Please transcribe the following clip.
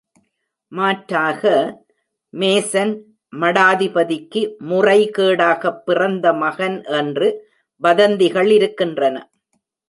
மாற்றாக, மேசன், மடாதிபதிக்கு முறைகேடாகப் பிறந்த மகன் என்று வதந்திகள் இருக்கின்றன.